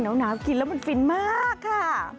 หนาวกินแล้วมันฟินมากค่ะ